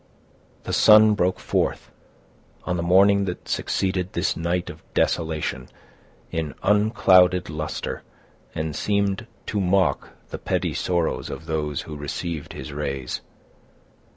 The sun broke forth, on the morning that succeeded this night of desolation, in unclouded luster, and seemed to mock the petty sorrows of those who received his rays.